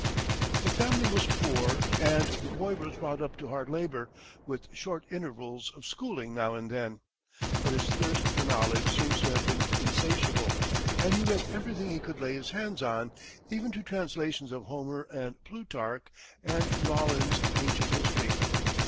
The family was poor and the boy was brought up to hard labor, with short intervals of schooling now and then. But his thirst for knowledge seems to have been insatiable, and he read everything he could lay his hands on, even to translations of Homer and Plutarch and Rollin's "Ancient History."